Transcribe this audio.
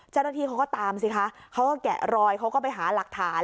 เจ้าหน้าที่เขาก็ตามสิคะเขาก็แกะรอยเขาก็ไปหาหลักฐาน